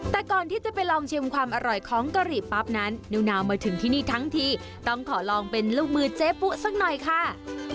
แต่ก่อนที่จะไปลองชิมความอร่อยของกะหรี่ปั๊บนั้นนิวนาวมาถึงที่นี่ทั้งทีต้องขอลองเป็นลูกมือเจ๊ปุ๊สักหน่อยค่ะ